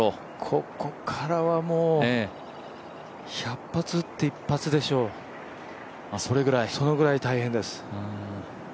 ここからはもう１００発打って１発でしょう、そのぐらい大変です。